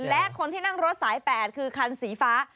และคนที่นั่งรถสาย๘คือคันสีฟ้า